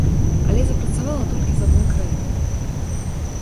Але запрацавала толькі з адной краінай.